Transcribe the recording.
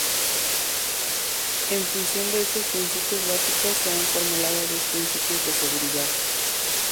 En función de estos principios básicos se han formulado diez principios de seguridad.